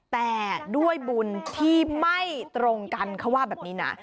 แต่ด้วยบุญที่ไม่ตรงกันเขาว่าแบบนี้นะ